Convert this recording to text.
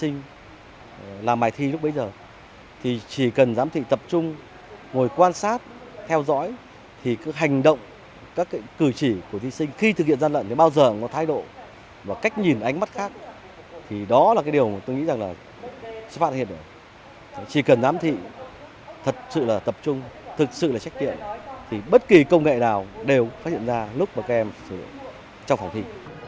nghe đào đều phát hiện ra lúc mà các em sẽ trong phòng thi